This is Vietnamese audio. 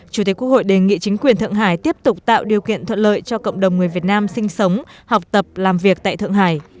chủ tịch quốc hội đề nghị chính quyền thượng hải tiếp tục tạo điều kiện thuận lợi cho cộng đồng người việt nam sinh sống học tập làm việc tại thượng hải